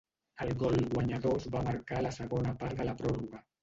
El gol guanyador es va marcar a la segona part de la pròrroga.